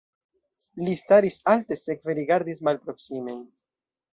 Li staris alte, sekve rigardis malproksimen.